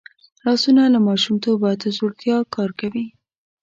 لاسونه له ماشومتوبه تر زوړتیا کار کوي